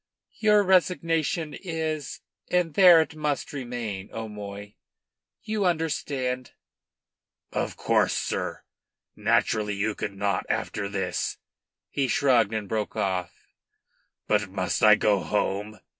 "Your resignation is, and there it must remain, O'Moy. You understand?" "Of course, sir. Naturally you could not after this " He shrugged and broke off. "But must I go home?"